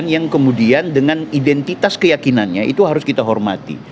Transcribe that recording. yang kemudian dengan identitas keyakinannya itu harus kita hormati